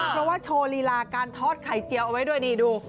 เพราะว่าโชว์ลีลาการทอดไข่เจียวเอาไว้ด้วยนี่ดู